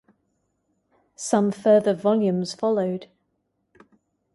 Some further volumes followed.